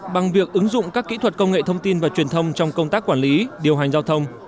bằng việc ứng dụng các kỹ thuật công nghệ thông tin và truyền thông trong công tác quản lý điều hành giao thông